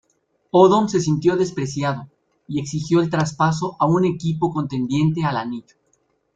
Odom se sintió "despreciado" y exigió el traspaso a un equipo contendiente al anillo.